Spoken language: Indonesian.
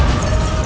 aku mau makan